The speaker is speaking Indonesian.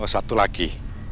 oh satu lagi